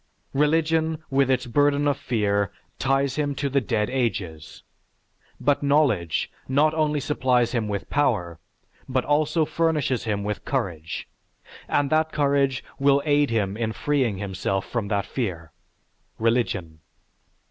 Religion with its burden of fear ties him to the dead ages. But knowledge not only supplies him with power, but also furnishes him with courage, and that courage will aid him in freeing himself from that fear religion.